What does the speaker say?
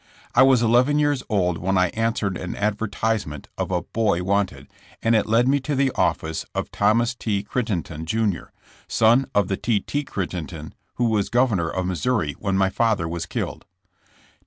I was eleven years old when I an swered an advertisement of a ''Boy wanted, '^ and it led me to the office of Thomas T. Crittenden, Jr., son of the T. T. Crittenden who was governor of Missouri when my father was killed.